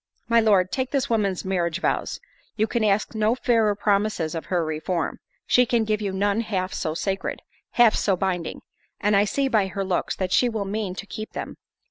My Lord, take this woman's marriage vows—you can ask no fairer promises of her reform—she can give you none half so sacred, half so binding; and I see by her looks that she will mean to keep them.